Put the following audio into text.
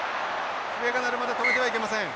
笛が鳴るまで止めてはいけません。